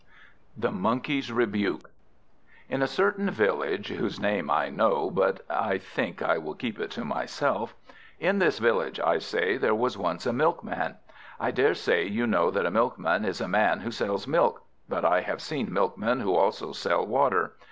The Monkey's Rebuke IN a certain village, whose name I know (but I think I will keep it to myself), in this village, I say, there was once a Milkman. I daresay you know that a Milkman is a man who sells milk; but I have seen milkmen who also sell water.